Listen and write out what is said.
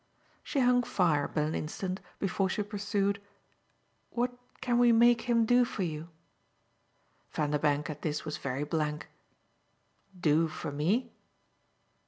She hung fire but an instant before she pursued: "What can we make him do for you?" Vanderbank at this was very blank. "Do for me?"